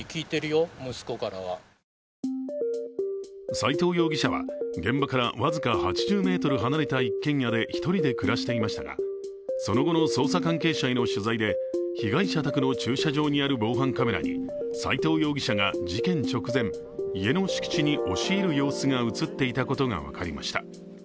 斎藤容疑者は現場から僅か８０ｍ離れた一軒家で１人で暮らしていましたがその後の捜査関係者への取材で被害者宅の駐車場にある防犯カメラに斎藤容疑者が事件直前、家の敷地に押し入る様子が映っていたことが分かりました。